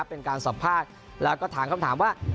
เป็นการสัมภาษณ์แล้วก็ถามคำถามว่า